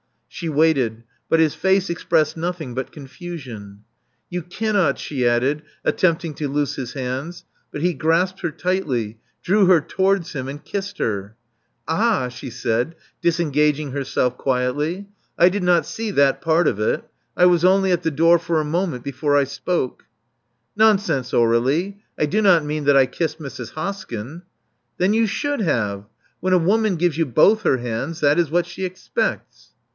She waited; but his face expressed nothing but confusion. '*You cannot, she added, attempting to loose his hands. But he grasped her tightly; drew her towards him; and kissed her. Ah,'* she said, disengaging herself quietly, I did not see that part of it. I was only at the door for a moment before I spoke. ''*' Nonsense, Aurdlie. I do not mean that I kissed i\rrs. Hoskyn.*' ''Then you should have. When a woman gives you both her hands, that is what she expects.